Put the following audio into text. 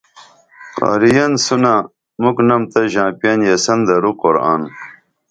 قاری ین سُونہ مُکھنم تہ ژاں پین یسن درو قرآن